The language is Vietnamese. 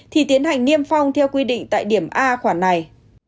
thì tiến hành niêm phong theo quy định tại điểm a khoản này